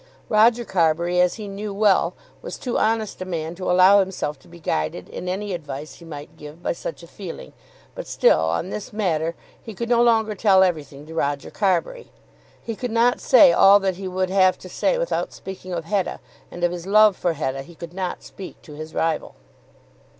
Roger Carbury, as he knew well, was too honest a man to allow himself to be guided in any advice he might give by such a feeling, but, still, on this matter, he could no longer tell everything to Roger Carbury. He could not say all that he would have to say without speaking of Hetta; and of his love for Hetta he could not speak to his rival.